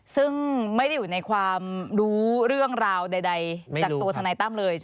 ซึ่งไม่ได้อยู่ในความรู้เรื่องราวใดจากตัวทนายตั้มเลย